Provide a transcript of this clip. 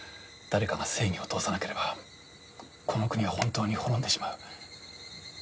誰かが正義を通さなければこの国は本当に滅んでしまう。